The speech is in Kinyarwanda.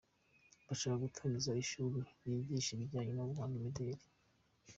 Bashaka gutangiza ishuri ryigisha ibijyanye no guhanga imideri